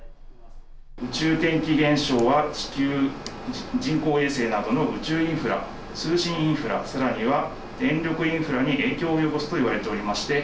宇宙天気現象は人工衛星などの宇宙インフラ、通信インフラ、さらには電力インフラに影響を及ぼすと言われておりまして。